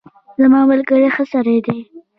زما ملګری ښه سړی دی.